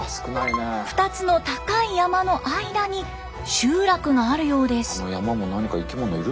２つの高い山の間に集落があるようです。